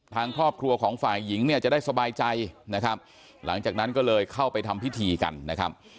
ทางครอบครัวของฝ่ายหญิงเนี่ยจะได้สบายใจนะครับหลังจากนั้นก็เลยเข้าไปทำพิธีกันนะครับ